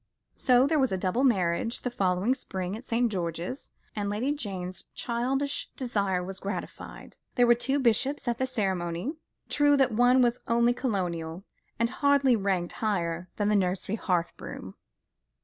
So there was a double marriage the following spring at St. George's, and Lady Jane's childish desire was gratified. There were two bishops at the ceremony. True that one was only colonial, and hardly ranked higher than the nursery hearth brush.